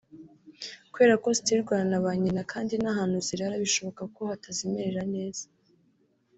kubera ko zitirirwana na ba nyina kandi n’ahantu zirara bishoboka ko hatazimerera neza